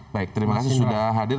baik terima kasih sudah hadir